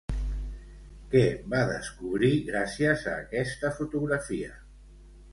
Què va descobrir, gràcies a aquesta fotografia?